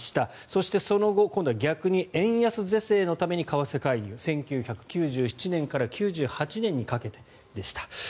そしてその後、今度は逆に円安是正のために為替介入、１９９７年から１９９８年にかけてでした。